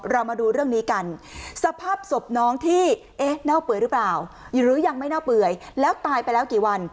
เรามาดูเรื่องนี้กันสภาพศพน้องที่เอ๊ะเน่าเปื่อยหรือเปล่าหรือยังไม่เน่าเปื่อยแล้วตายไปแล้วกี่วัน